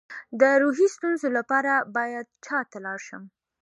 د روحي ستونزو لپاره باید چا ته لاړ شم؟